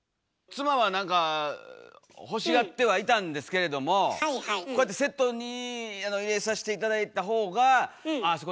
妻は何か欲しがってはいたんですけれどもこうやってセットに入れさして頂いた方がああ